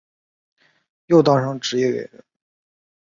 又当上职业演员。